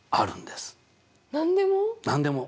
何でも？